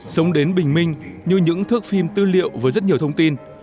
sống đến bình minh như những thước phim tư liệu với rất nhiều thông tin